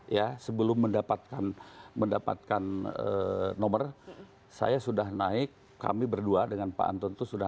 ya sebelum mendapatkan mendapatkan nomor saya sudah naik kami berdua dengan pak anton itu sudah